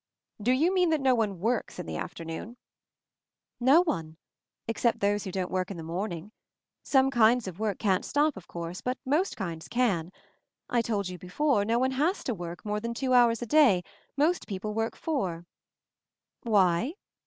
"Do you mean that no one works in the afternoon?" "No one — except those who don't work in the morning. Some kinds of work can't stop, of course; but most kinds can. I told you before — no one has to work more than two hours a day; most people work four. Why?"